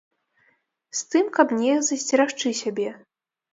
З тым, каб неяк засцерагчы сябе.